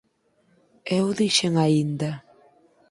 E eu dixen aínda: